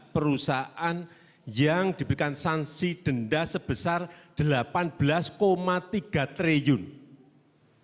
perusahaan yang diberikan sanksi denda sebesar rp delapan belas tiga triliun